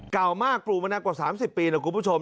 เก่ามากปลูกมานานกว่า๓๐ปีนะคุณผู้ชม